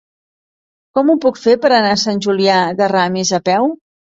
Com ho puc fer per anar a Sant Julià de Ramis a peu?